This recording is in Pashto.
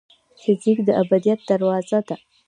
فزیک د ابدیت دروازه ده.